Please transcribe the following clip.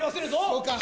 そうか。